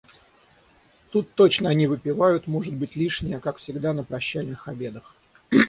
Тут точно они выпивают, может быть, лишнее, как всегда на прощальных обедах.